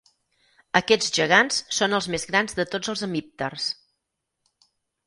Aquests gegants són els més grans de tots els hemípters.